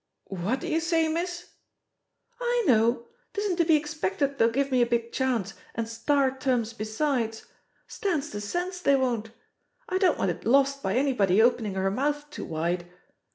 "What do you say, miss?" "I know! 'Tisn't to be expected they'll give me a big chance, and star terms besides. Stands to sense they won't. I don't want it lost by any body opening her mouth too wide.